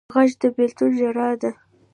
غږ د بېلتون ژړا ده